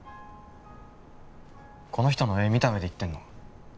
この人の絵見た上で言ってんの？